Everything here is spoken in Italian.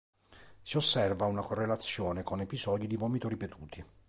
Si osserva una correlazione con episodi di vomito ripetuti.